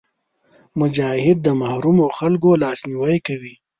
مجاهد د محرومو خلکو لاسنیوی کوي.